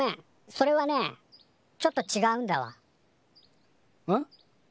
それはねちょっとちがうんだわ。